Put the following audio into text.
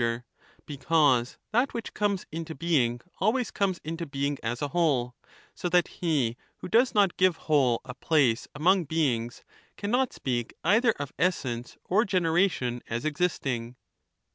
Sir, Because that which comes into being always comes into being as a whole, so that he who does not give whole a place among beings, cannot speak either of essence or genera tion as existing.